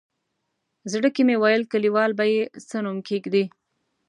زړه کې مې ویل کلیوال به یې څه نوم کېږدي.